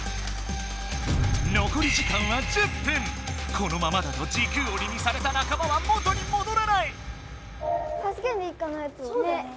このままだと時空鬼にされた仲間は元にもどらない。